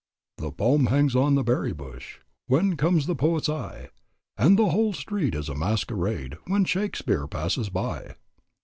"The poem hangs on the berry bush When comes the poet's eye, And the whole street is a masquerade When Shakspeare passes by."